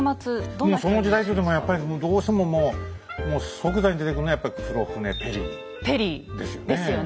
うんその時代というとやっぱりもうどうしてももう即座に出てくるのはやっぱ黒船ペリーですよね。